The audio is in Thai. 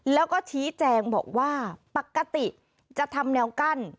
แล้วก็ชี้แจงบอกว่าปกติจะทำแนวกั้น